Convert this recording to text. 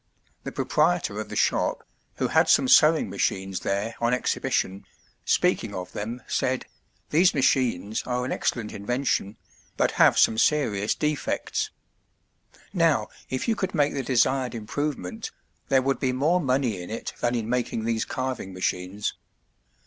The proprietor of the shop, who had some sewing machines there on exhibition, speaking of them, said: "These machines are an excellent invention, but have some serious defects. Now if you could make the desired improvement, there would be more money in it than in making these carving machines."